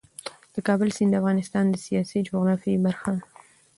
د کابل سیند د افغانستان د سیاسي جغرافیې برخه ده.